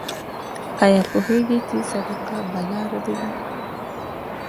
ایا پوهیږئ چې صدقه بلا ردوي؟